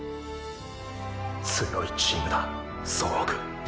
強いチームだ総北。